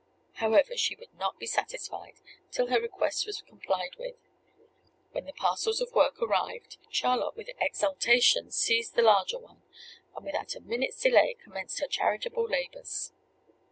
However, she would not be satisfied till her request was complied with. When the parcels of work arrived, Charlotte with exultation seized the larger one, and without a minute's delay commenced her charitable labors.